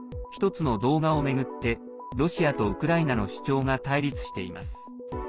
１つの動画を巡ってロシアとウクライナの主張が対立しています。